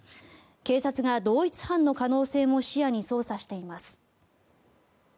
警察が同一犯の可能性も視野に捜査しています。